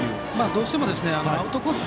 どうしてもアウトコース